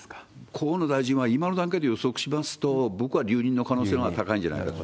河野大臣は今の段階で予測しますと、僕は留任の可能性のほうが高いんじゃないかと。